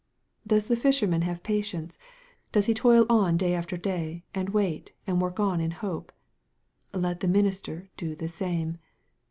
Does the fisherman have pa tience ? Does he toil on day after day, and wait, and work on in hope ? Let the minister do the same.